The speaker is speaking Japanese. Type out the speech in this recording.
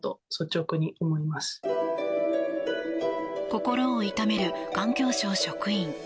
心を痛める環境省職員。